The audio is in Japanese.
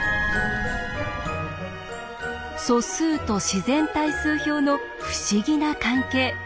素数と自然対数表の不思議な関係。